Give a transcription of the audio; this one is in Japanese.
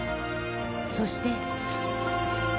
そして。